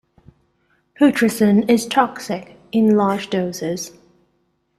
Putrescine is toxic in large doses.